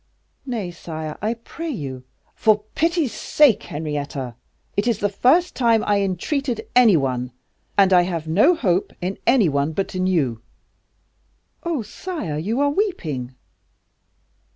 "Nay, sire! I pray you " "For pity's sake, Henrietta; it is the first time I entreated any one, and I have no hope in any one but in you." "Oh, sire! you are weeping."